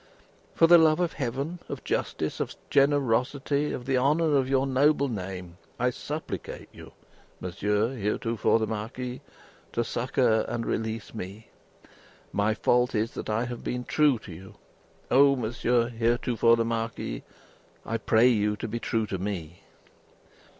"For the love of Heaven, of justice, of generosity, of the honour of your noble name, I supplicate you, Monsieur heretofore the Marquis, to succour and release me. My fault is, that I have been true to you. Oh Monsieur heretofore the Marquis, I pray you be you true to me!